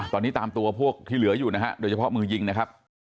ตอนนี้ตามตัวพวกที่เหลืออยู่นะฮะโดยเฉพาะมือยิงนะครับ